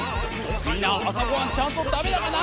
みんなあさごはんちゃんとたべたかな？